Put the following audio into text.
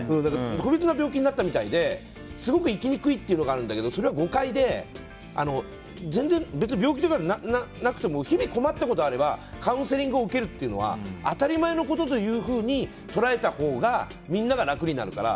特別な病気になったみたいですごく行きにくいというのがあるんだけど、それは誤解で別に病気とかじゃなくても日々、困っていることがあればカウンセリングを受けるのは当たり前のことと捉えたほうがみんなが楽になるから。